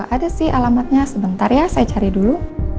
ada sih alamatnya sebentar ya saya cari dulu